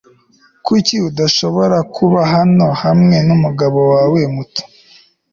kuki udashobora kuba hano hamwe numugabo wawe muto